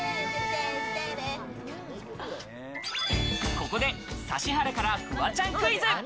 ここで指原からフワちゃんクイズ。